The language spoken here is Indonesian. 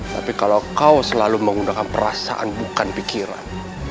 tapi kalau kau selalu menggunakan perasaan bukan pikiran